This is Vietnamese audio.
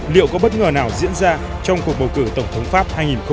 liệu có bất ngờ nào diễn ra trong cuộc bầu cử tổng thống pháp hai nghìn một mươi bảy